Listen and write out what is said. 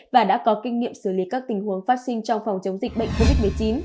và đã có kinh nghiệm xử lý các tình huống phát sinh trong phòng chống dịch bệnh covid một mươi chín